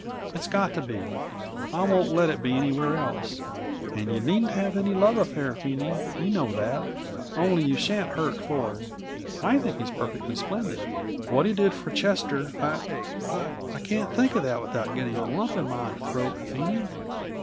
It's got to be; I won't let it be anywhere else. And you needn't have any love affair, Phene you know that. Only you shan't hurt Ford. I think he's perfectly splendid! What he did for Chester I I can't think of that without getting a lump in my throat, Phene.